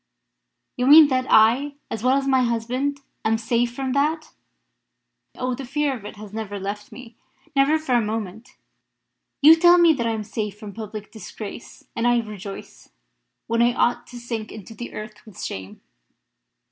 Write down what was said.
You mean that I, as well as my husband, am safe from that. Oh! the fear of it has never left me never for one moment. You tell me that I am safe from public disgrace, and I rejoice when I ought to sink into the earth with shame!"